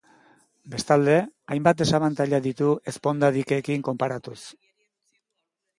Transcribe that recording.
Bestalde, hainbat desabantaila ditu ezponda-dikeekin konparatuz.